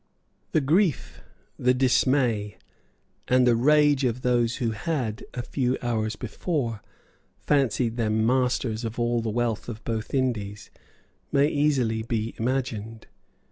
The grief, the dismay and the rage of those who had a few hours before fancied themselves masters of all the wealth of both Indies may easily be imagined.